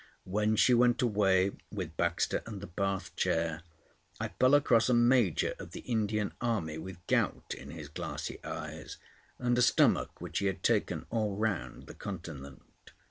When she went away with Baxter and the bath chair, I fell across a major of the Indian army with gout in his glassy eyes, and a stomach which he had taken all round the Continent.